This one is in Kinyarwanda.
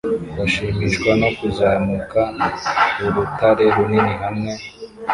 Bashimishwa no kuzamuka ur-utare runini hamwe